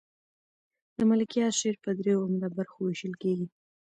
د ملکیار شعر په دریو عمده برخو وېشل کېږي.